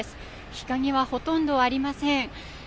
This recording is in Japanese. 日陰はほとんどありません。